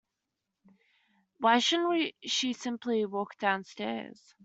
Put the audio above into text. Why shouldn't she simply walk downstairs?